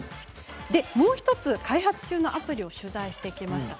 もう１つ開発中のアプリを取材してきました。